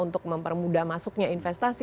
untuk mempermudah masuknya investasi